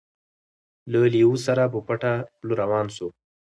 له لېوه سره په پټه خوله روان سو